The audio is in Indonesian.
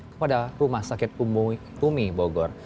kepada rumah sakit umi bogor